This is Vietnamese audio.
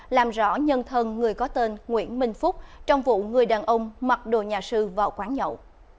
làm rõ nhân thân người có tên nguyễn minh phúc trong vụ người đàn ông mặc đồ nhà sư vào quán nhậu